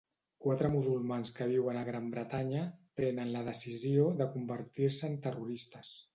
Quatre musulmans que viuen a Gran Bretanya prenen la decisió de convertir-se en terroristes.